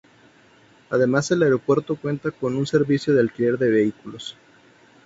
Además el aeropuerto cuenta con un servicio de alquiler de vehículos.